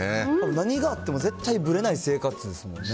何があっても、絶対ぶれない生活ですもんね。